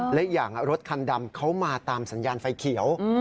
และอย่างรถคันดำเขามาตามสัญญาณไฟเขียว